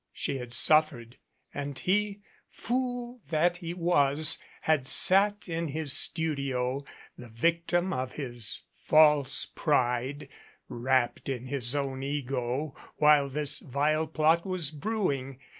She had suffered and he, fool that he was, had sat in his studio, the victim of his false pride, wrapped in his own ego while this vile plot was brewing.